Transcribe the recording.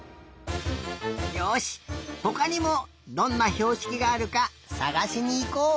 よしほかにもどんなひょうしきがあるかさがしにいこう！